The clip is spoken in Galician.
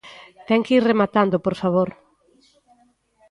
Ten que ir rematando, por favor.